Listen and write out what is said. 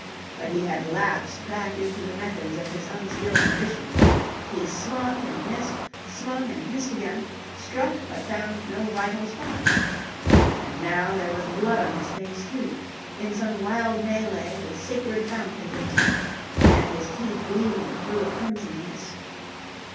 But he had lapsed back into the methods of his unskilled novitiate. He swung and missed, swung and missed again, struck but found no vital spot. And now there was blood on his face, too. In some wild mêlée the sacred fount had been tapped, and his teeth gleamed through a crimson mist.